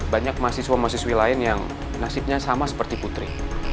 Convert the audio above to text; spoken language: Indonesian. banyak mahasiswa mahasiswi lain yang nasibnya sama seperti putri